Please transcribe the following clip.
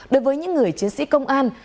đối với những người chiến sĩ công an